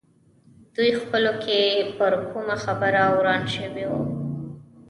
دوی خپلو کې پر کومه خبره وران شوي وو.